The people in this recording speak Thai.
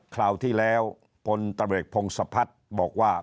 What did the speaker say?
คราวที่แล้วพลตำรวจพงศพัฒน์บอกว่า